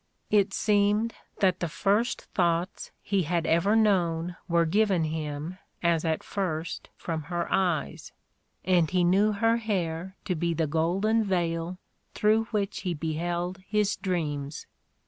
It seemed that the first thoughts he had ever known were given him as at first from her eyes, and he knew her hair to be the golden veil through which he be held his dreams.